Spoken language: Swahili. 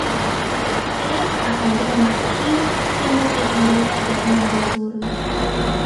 pep akaziba masikio timu ikaendelea kufanya vizuri